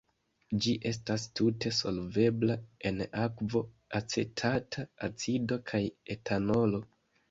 Ĝi estas tute solvebla en akvo, acetata acido kaj etanolo.